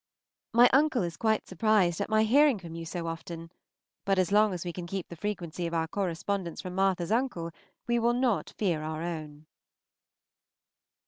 My uncle is quite surprised at my hearing from you so often; but as long as we can keep the frequency of our correspondence from Martha's uncle, we will not fear our own.